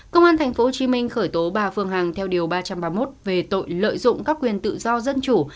công an tp hcm khởi tố bà phương hằng theo điều ba trăm ba mươi một về tội lợi dụng các quyền tự do dân chủ